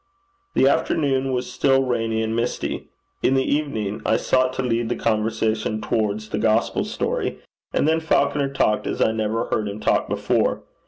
The afternoon was still rainy and misty. In the evening I sought to lead the conversation towards the gospel story; and then Falconer talked as I never heard him talk before.